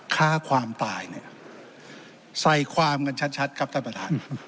ฆ่าความตายเนี่ยใส่ความกันชัดครับท่านประธาน